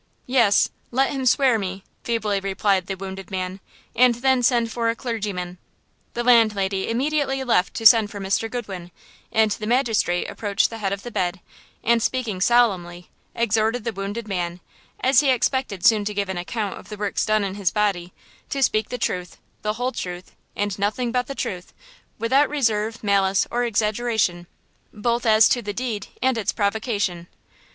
"Yes, let him swear me," feebly replied the wounded man, "and then send for a clergyman." The landlady immediately left to send for Mr. Goodwin, and the magistrate approached the head of the bed, and speaking solemnly, exhorted the wounded man, as he expected soon to give an account of the works done in his body, to speak the truth, the whole truth, and nothing but the truth, without reserve, malice or exaggeration, both as to the deed and its provocation.